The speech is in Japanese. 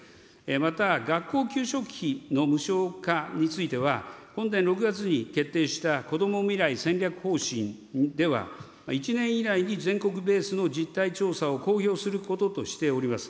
また学校給食費の無償化については、本年６月に決定したこども未来戦略方針では、１年以内に全国ベースの実態調査を公表することとしております。